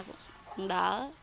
làm cũng đỡ